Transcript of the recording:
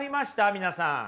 皆さん。